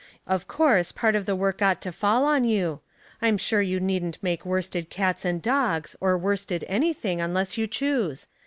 Of course part of the work ought to fall on you. I'm sure you needn't make worsted cats and dogs, or worsted anytldng^ unless you choose.